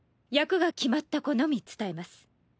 役が決まった子のみ伝えます。